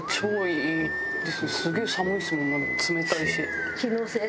すげえ寒いですもん冷たいし。